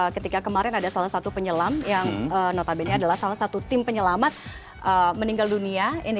ketika kemarin ada salah satu penyelam yang notabene adalah salah satu tim penyelamat meninggal dunia